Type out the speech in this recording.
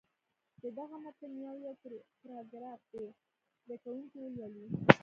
د دغه متن یو یو پاراګراف دې زده کوونکي ولولي.